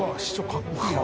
かっこいいわ。